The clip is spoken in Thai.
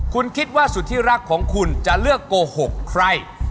คุณคิดว่าสุดที่รักของคุณจะเลือกโกหกใคร